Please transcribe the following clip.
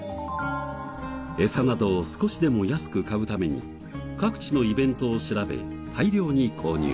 エサなどを少しでも安く買うために各地のイベントを調べ大量に購入。